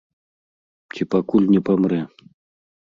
Ці пакуль не памрэ.